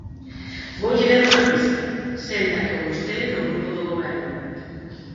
Voulle dar unha pista: senta con vostede no grupo do Goberno.